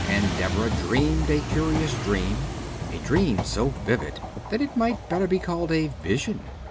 And Deborah dreamed a curious dream, a dream so vivid that it might better be called a vision.